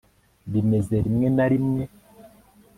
bimeze rimwe na rimwe